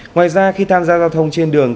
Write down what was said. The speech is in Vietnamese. ngoài ra khi tham gia giao thông trên đường